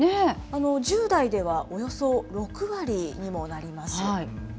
１０代ではおよそ６割にもなります。